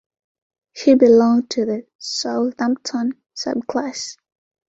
She belonged to the "Southampton" subclass.